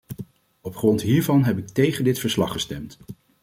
Op grond hiervan heb ik tegen dit verslag gestemd.